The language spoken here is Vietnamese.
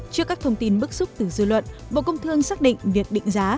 trước các thông tin bức xúc từ dư luận bộ công thương xác định việc định giá